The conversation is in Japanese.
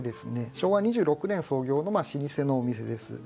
昭和２６年創業の老舗のお店です。